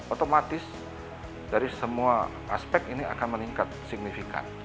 otomatis dari semua aspek ini akan meningkat signifikan